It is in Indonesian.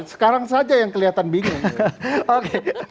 sekarang saja yang kelihatan bingung